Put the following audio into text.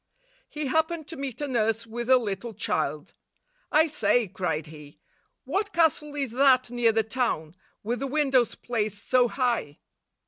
He happened to meet a nurse with a little child. " I say," cried he, " what castle is that near the town, with the windows placed so high?"